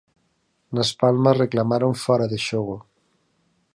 Nas Palmas reclamaron fóra de xogo.